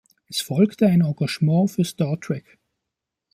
Es folgte ein Engagement für "Star Trek.